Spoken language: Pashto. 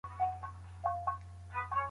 فساد کول لویه جفا ده.